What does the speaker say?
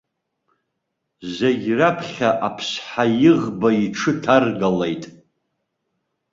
Зегь раԥхьа аԥсҳа иӷба иҽы ҭаргалеит.